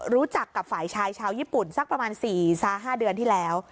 รู้จักกับฝ่ายชายชาวยิปุ่นสักประมาณสี่ซาห้าเดือนที่แล้ว